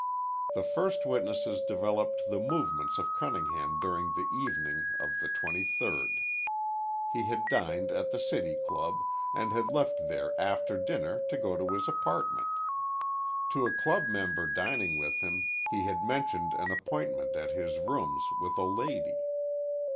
The first witnesses developed the movements of Cunningham during the evening of the twenty third. He had dined at the City Club, and had left there after dinner to go to his apartment. To a club member dining with him he had mentioned an appointment at his rooms with a lady.